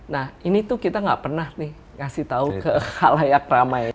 nah ini tuh kita nggak pernah kasih tahu ke halayak ramai